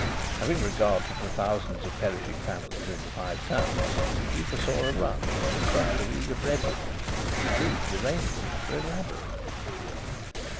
Having regard to the thousands of perishing families in the Five Towns, he foresaw a rush and a crush of eager breadwinners. Indeed, the arrangements were elaborate.